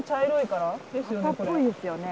赤っぽいですよね。